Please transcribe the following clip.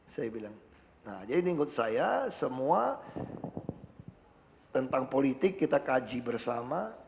saya bilang nah jadi ini menurut saya semua tentang politik kita kaji bersama